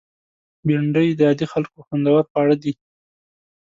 بېنډۍ د عادي خلکو خوندور خواړه دي